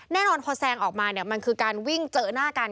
แน่นอนพอแซงออกมาเนี่ยมันคือการวิ่งเจอหน้ากัน